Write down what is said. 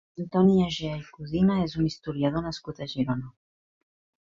Antoni Egea i Codina és un historiador nascut a Girona.